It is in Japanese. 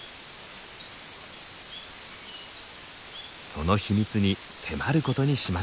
その秘密に迫ることにしましょう。